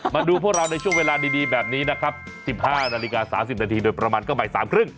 มาดูพวกเราในช่วงเวลาดีแบบนี้นะครับ๑๕นาฬิกา๓๐นาทีโดยประมาณก็บ่าย๓๓๐